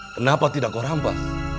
kenapa tidak kau rampas